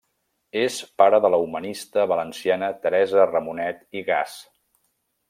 És pare de la humanista valenciana Teresa Ramonet i Gas.